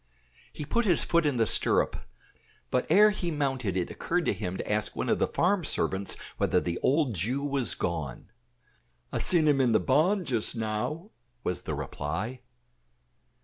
He put his foot in the stirrup, but ere he mounted it occurred to him to ask one of the farm servants whether the old Jew was gone. "I sin him in the barn just now," was the reply.